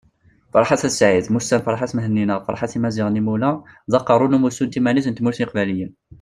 Ferḥat At Said mmusan Ferhat Mehenni neɣ Ferhat Imazighen Imula, d Aqerru n Umussu n Timanit n Tmurt n Leqbayel